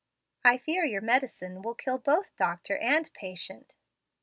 I fear your medicine will kill both doctor and patient.